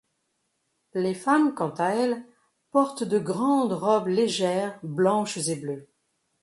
Les femmes, quant à elles, portent de grandes robes légères blanches et bleues.